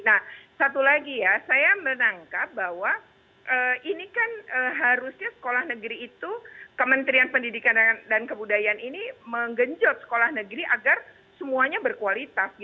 nah satu lagi ya saya menangkap bahwa ini kan harusnya sekolah negeri itu kementerian pendidikan dan kebudayaan ini menggenjot sekolah negeri agar semuanya berkualitas